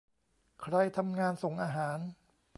ใครทำงานส่งอาหาร